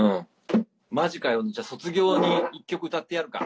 まじかよじゃあ卒業に１曲歌ってやるか。